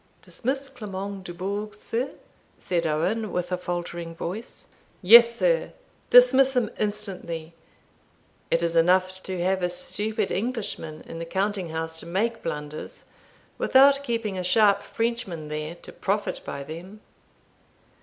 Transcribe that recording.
"Dismiss Clement Dubourg, sir?" said Owen, with a faltering voice. "Yes, sir, dismiss him instantly; it is enough to have a stupid Englishman in the counting house to make blunders, without keeping a sharp Frenchman there to profit by them."